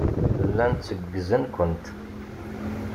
Llan tteggzen-kent.